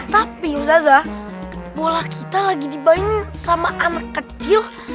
tapi muzaza bola kita lagi dibayangin sama anak kecil